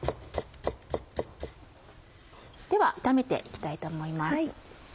では炒めて行きたいと思います。